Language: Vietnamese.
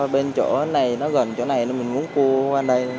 bên chỗ này nó gần chỗ này mình uống cua qua đây